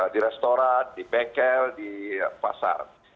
di restoran di bengkel di pasar